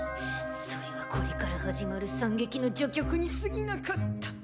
それはこれから始まる惨劇の序曲にすぎなかった。